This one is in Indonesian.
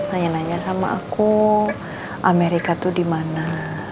tanya nanya sama aku amerika tuh dimana